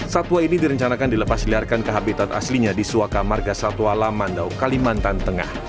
satwa ini direncanakan dilepas liarkan ke habitat aslinya di suaka marga satwa lamandau kalimantan tengah